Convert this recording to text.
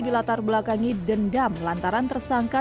dilatar belakangi dendam lantaran tersangka